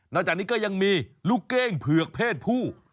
จากนี้ก็ยังมีลูกเก้งเผือกเพศผู้